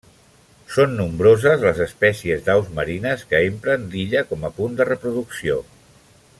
Són nombroses les espècies d'aus marines que empren l'illa com a punt de reproducció.